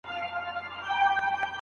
بازار به فعال وي او صنعت به پراخېږي.